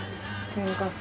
天かす。